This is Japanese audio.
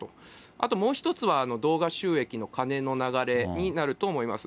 あともう一つは動画収益の金の流れになると思います。